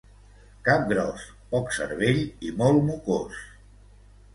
Cap gros, poc cervell i molt mocós.